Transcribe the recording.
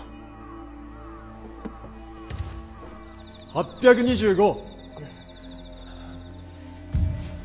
８２５。